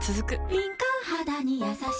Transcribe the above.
敏感肌にやさしい